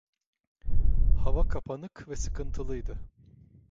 Hava kapanık ve sıkıntılıydı…